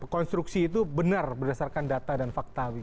konstruksi itu benar berdasarkan data dan fakta